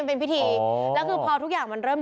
มันเป็นพิธีแล้วคือพอทุกอย่างมันเริ่มดีขึ้น